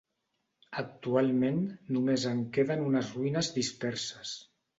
Actualment només en queden unes ruïnes disperses.